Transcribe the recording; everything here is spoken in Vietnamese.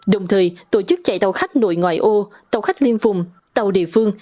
đồng thời tổ chức chạy tàu khách nội ngoại ô tàu khách liên phùng tàu địa phương